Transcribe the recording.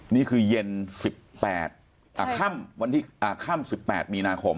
นี่คือย่างเย็น๑๘เข้าชั่วค่ำ๑๘มีนาคม